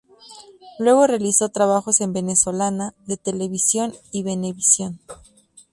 Luego realizó trabajos con Venezolana de Televisión y Venevisión.